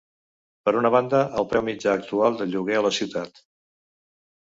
Per una banda, el preu mitjà actual del lloguer a la ciutat.